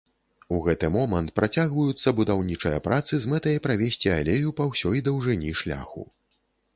У гэты момант працягваюцца будаўнічыя працы з мэтай правесці алею па ўсёй даўжыні шляху.